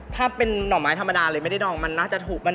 ถ้าเป็นหน่อไม้ธรรมดาเลยไม่ได้ดองมันน่าจะถูกกัน